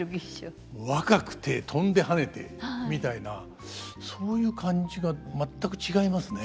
若くて跳んではねてみたいなそういう感じが全く違いますね。